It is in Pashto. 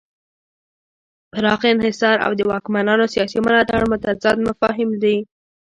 پراخ انحصار او د واکمنانو سیاسي ملاتړ متضاد مفاهیم دي.